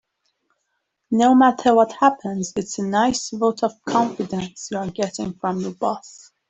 No matter what happens, it's a nice vote of confidence you're getting from your boss.